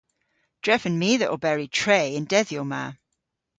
Drefen my dhe oberi tre y'n dedhyow ma.